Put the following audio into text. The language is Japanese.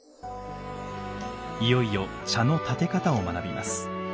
いよいよ茶の点て方を学びます。